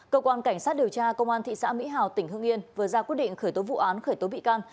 cơ quan cảnh sát điều tra công an thị xã mỹ hào tỉnh hương yên vừa ra quyết định khởi tố vụ án khởi tố bị can